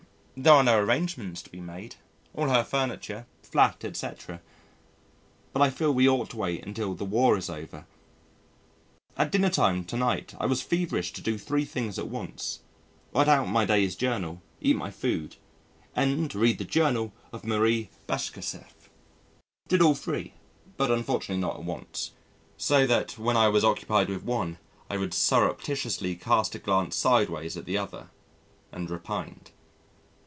There are no arrangements to be made. All her furniture flat, etc. But I feel we ought to wait until the War is over. At dinner time to night I was feverish to do three things at once: write out my day's Journal, eat my food, and read the Journal of Marie Bashkirtseff. Did all three but unfortunately not at once, so that when I was occupied with one I would surreptitiously cast a glance sideways at the other and repined.